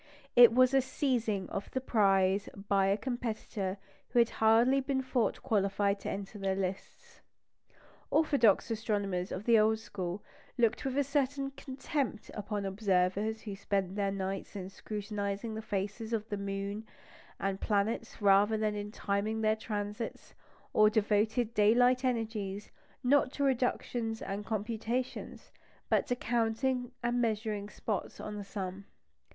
It was a seizing of the prize by a competitor who had hardly been thought qualified to enter the lists. Orthodox astronomers of the old school looked with a certain contempt upon observers who spent their nights in scrutinising the faces of the moon and planets rather than in timing their transits, or devoted daylight energies, not to reductions and computations, but to counting and measuring spots on the sun.